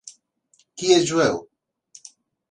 Qui és jueu?